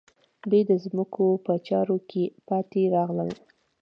دوی د ځمکو په چارو کې پاتې راغلل.